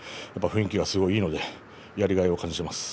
雰囲気がすごくいいのでやりがいを感じています。